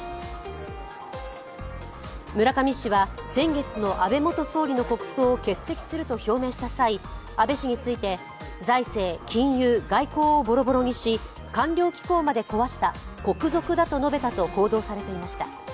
村上氏は先月の安倍元総理の国葬を欠席すると表明した際、安倍氏について財政、金融、外交をぼろぼろにし官僚機構まで壊した国賊だと述べたと報道されていました。